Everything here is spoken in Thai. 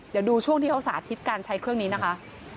เดี๋ยวดูช่วงที่เขาสาธิตการใช้เครื่องนี้นะคะ